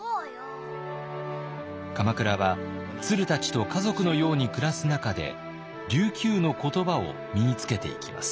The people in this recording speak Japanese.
鎌倉はツルたちと家族のように暮らす中で琉球の言葉を身につけていきます。